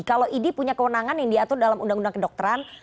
kalau idi punya kewenangan yang diatur dalam undang undang kedokteran